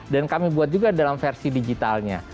dan kami buat juga dalam versi digitalnya